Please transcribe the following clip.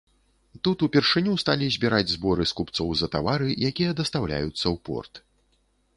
Тут упершыню сталі збіраць зборы з купцоў за тавары, якія дастаўляюцца ў порт.